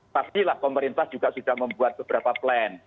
pastilah pemerintah juga sudah membuat beberapa plan